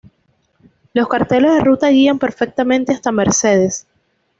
Los carteles de ruta guían perfectamente hasta Mercedes.